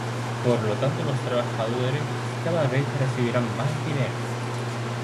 Por lo tanto, los trabajadores cada vez recibían más dinero.